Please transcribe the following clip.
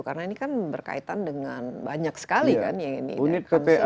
karena ini kan berkaitan dengan banyak sekali kan ya ini